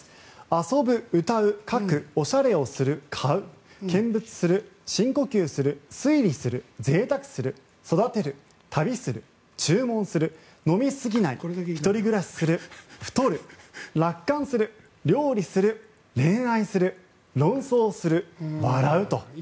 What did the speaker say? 遊ぶ、歌う、書くおしゃれをする、買う見物する、深呼吸する推理する、贅沢する、育てる旅する、注文する、飲みすぎない１人暮らしする、太る、楽観する料理する、恋愛する、論争する笑うと。